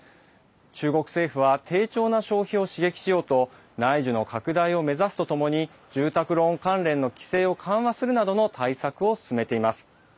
中国政府は低調な消費を刺激しようと内需の拡大を目指すとともに住宅ローン関連の規制を緩和するなどの対策を進めています。